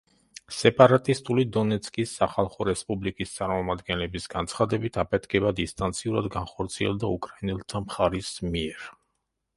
სეპარატისტული დონეცკის სახალხო რესპუბლიკის წარმომადგენლების განცხადებით, აფეთქება დისტანციურად განხორციელდა უკრაინელთა მხარის მიერ.